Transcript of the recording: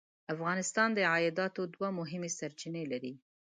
افغانستان د عایداتو دوه مهمې سرچینې لري.